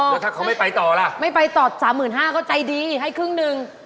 แล้วถ้าเขาไม่ไปต่อล่ะไม่ไปต่อ๓๕๐๐๐ก็ใจดีให้ครึ่งนึง